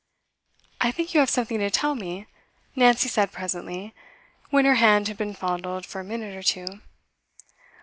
'I think you have something to tell me,' Nancy said presently, when her hand had been fondled for a minute or two.